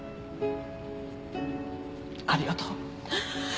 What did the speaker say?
ありがとう。